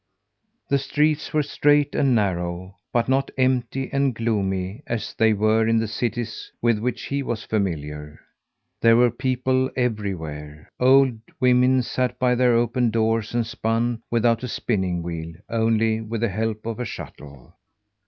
The streets were straight and narrow, but not empty and gloomy, as they were in the cities with which he was familiar. There were people everywhere. Old women sat by their open doors and spun without a spinning wheel only with the help of a shuttle.